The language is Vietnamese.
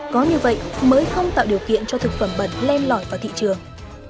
có như vậy mới không tạo điều kiện cho thực phẩm bẩn len lỏi vào thị trường